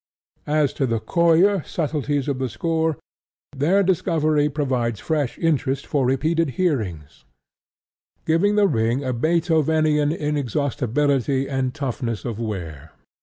As to the coyer subtleties of the score, their discovery provides fresh interest for repeated hearings, giving The Ring a Beethovenian inexhaustibility and toughness of wear.